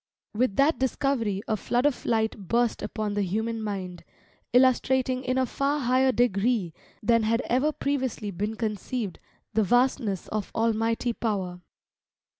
With that discovery a flood of light burst upon the human mind, illustrating in a far higher degree than had ever previously been conceived, the vastness of Almighty Power.